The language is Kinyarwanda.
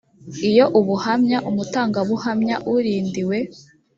iyo ubuhamya umutangabuhamya urindiwe